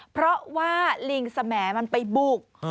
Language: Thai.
เพราะว่าลิงสมมันไปบุก